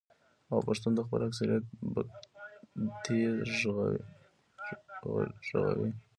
او پښتون د خپل اکثريت بګتۍ ږغوي.